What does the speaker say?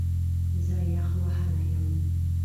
زه یخ وهلی یم